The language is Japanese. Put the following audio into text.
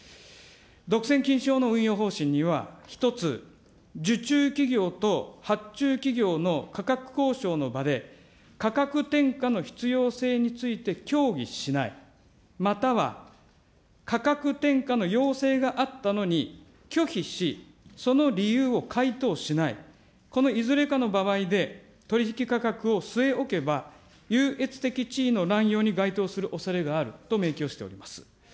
独占禁止法の運用方針には１つ、受注企業と発注企業の価格交渉の場で、価格転嫁の必要性について協議しない、または価格転嫁の要請があったのに拒否し、その理由を回答しない、このいずれかの場合で取り引き価格を据え置けば、優越的地位の乱用に該当するおそれがあると明記をしております。